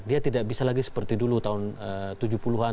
dia tidak bisa lagi seperti dulu tahun tujuh puluh an